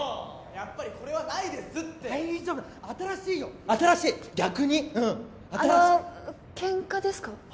やっぱりこれはないですって大丈夫新しいよ新しい逆にあのケンカですか？